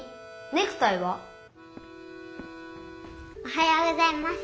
おはようございます。